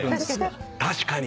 確かに！